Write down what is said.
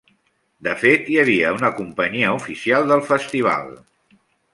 De fet, hi havia una companyia oficial del festival.